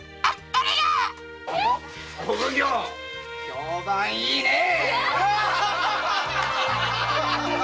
評判いいねぇ。